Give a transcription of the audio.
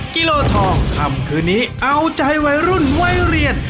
กิโลทองคำคืนนี้เอาใจวัยรุ่นวัยเรียน